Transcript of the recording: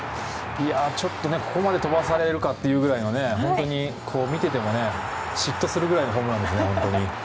ちょっとここまで飛ばされるかというくらいの本当に見てても嫉妬するぐらいのホームランですね。